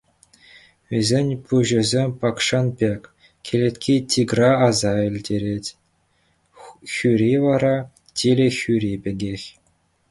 Вӗсен пуҫӗсем пакшан пек, кӗлетки тигра аса илтерет, хӳри вара тилӗ хӳри пекех.